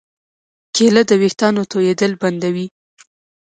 کېله د ویښتانو تویېدل بندوي.